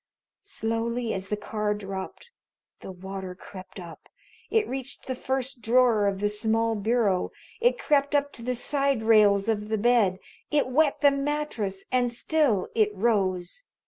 Slowly, as the car dropped, the water crept up. It reached the first drawer of the small bureau. It crept up to the side rails of the bed. It wet the mattress and still it rose.